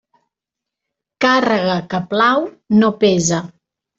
Càrrega que plau no pesa.